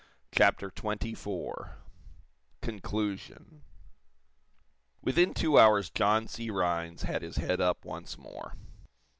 CHAPTER XXIV CONCLUSION Within two hours John C. Rhinds had his head up once more.